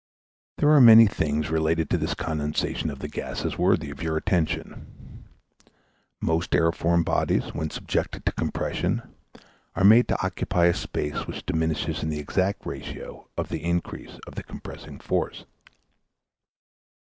There are many things relating to this condensation of the gases worthy of your attention. Most aeriform bodies, when subjected to compression, are made to occupy a space which diminishes in the exact ratio of the increase of the compressing force.